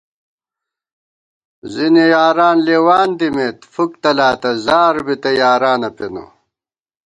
زِنی یاران لېوان دِمېت فُک تلاتہ زار بِتہ یارانہ پېنہ